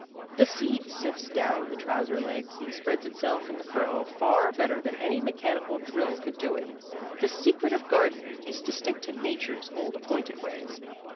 The seed sifts down the trousers legs and spreads itself in the furrow far better than any mechanical drill could do it. The secret of gardening is to stick to nature's old appointed ways.